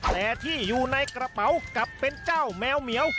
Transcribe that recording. แต่ที่อยู่ในกระเป๋ากลับเป็นเจ้าแมวเหมียว